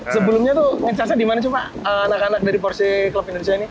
sebelumnya tuh nge charge nya dimana sih pak anak anak dari porsche club indonesia ini